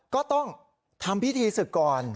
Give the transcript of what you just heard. ก็ต้องทำพิธีศึกก่อน